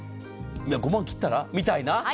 ５万を切ったらみたいな。